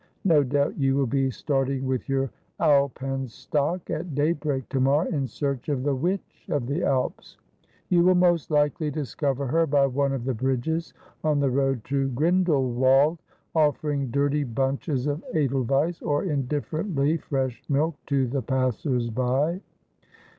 No doubt you will be starting with your alpenstock at daybreak to morrow in search of the Witch of the Alps. You will most likely dis cover her by one of the bridges on the road to G rindelwald, offering dirty bunches of edelweiss, or indifferently fresh milk, to the passers by.'